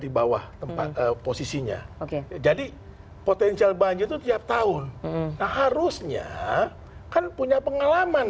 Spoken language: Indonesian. di bawah tempat posisinya oke jadi potensial banjir itu tiap tahun nah harusnya kan punya pengalaman